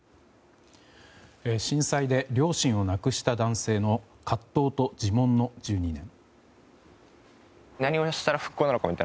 震災で両親を亡くした男性の葛藤と自問の１２年。